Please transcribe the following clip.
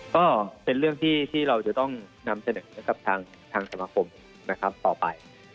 ก็เป็นเรื่องที่เราจะต้องนำเสนอให้กับทางสมาคมนะครับต่อไป